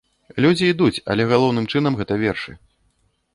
Людзі ідуць, але галоўным чынам, гэта вершы.